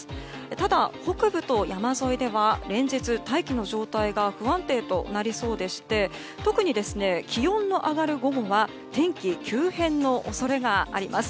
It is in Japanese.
ただ、北部と山沿いでは連日大気の状態が不安定となりそうでして特に気温の上がる午後は天気急変の恐れがあります。